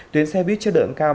tuyến xe buýt chất lượng cao